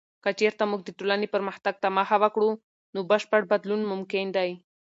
که چیرته موږ د ټولنې پرمختګ ته مخه وکړو، نو بشپړ بدلون ممکن دی.